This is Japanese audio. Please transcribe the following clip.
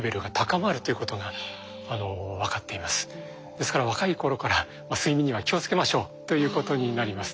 ですから若い頃から睡眠には気をつけましょうということになります。